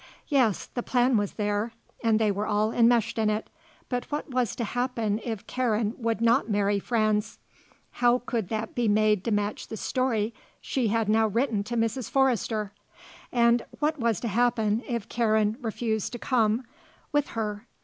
Yes; the plan was there and they were all enmeshed in it; but what was to happen if Karen would not marry Franz? How could that be made to match the story she had now written to Mrs. Forrester? And what was to happen if Karen refused to come with her?